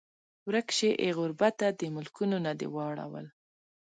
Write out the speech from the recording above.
ورک شې ای غربته د ملکونو نه دې واړول